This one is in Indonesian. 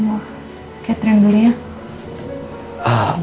mau catherine dulu ya